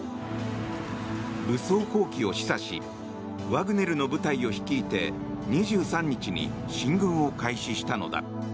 武装蜂起を示唆しワグネルの部隊を率いて２３日に進軍を開始したのだ。